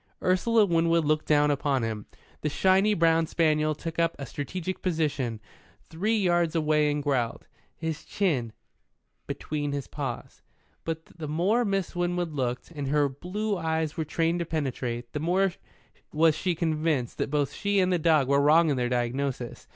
Ursula Winwood looked down upon him. The shiny brown spaniel took up a strategic position three yards away and growled, his chin between his paws. But the more Miss Winwood looked, and her blue eyes were trained to penetrate, the more was she convinced that both she and the dog were wrong in their diagnosis.